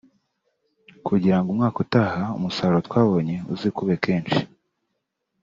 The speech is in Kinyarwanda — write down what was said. kugira ngo umwaka utaha umusaruro twabonye uzikube kenshi